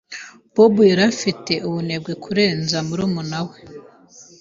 Bob yari afite ubunebwe kurenza murumuna we.